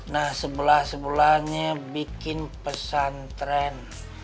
nah sebelah sebelahnya bikin pesantren